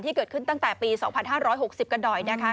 เกิดขึ้นตั้งแต่ปี๒๕๖๐กันหน่อยนะคะ